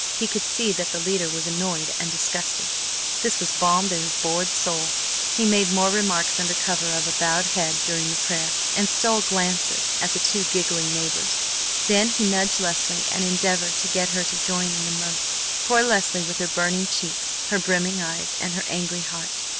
He could see that the leader was annoyed and disgusted. This was balm to his bored soul. He made more remarks under cover of a bowed head during the prayer, and stole glances at the two giggling neighbors. Then he nudged Leslie and endeavored to get her to join in the mirth. Poor Leslie with her burning cheeks, her brimming eyes, and her angry heart!